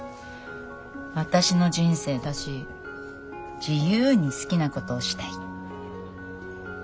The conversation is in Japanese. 私の人生だし自由に好きなことをしたい。